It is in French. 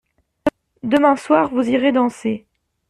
Demain soir vous irez danser.